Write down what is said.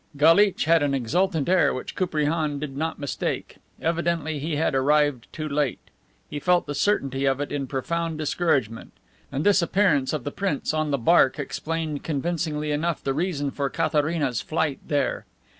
Galitch had an exultant air which Koupriane did not mistake. Evidently he had arrived too late. He felt the certainty of it in profound discouragement. And this appearance of the prince on the Barque explained convincingly enough the reason for Katharina's flight here.